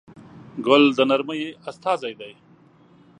ګل د نرمۍ استازی دی.